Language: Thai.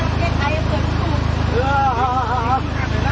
พี่ชอบจริงบอกว่าชอบทุก